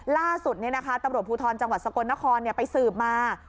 ล่าสุดตำรวจภูทรจังหวัดสกลนครไปสืบมา